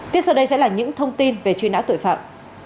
tiếp sau đây sẽ là những thông tin về truy nã tội phạm